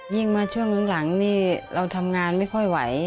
มาช่วงหลังนี่เราทำงานไม่ค่อยไหว